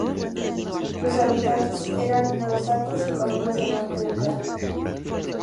Sus habitantes eran cosacos y colonos del norte de Ucrania.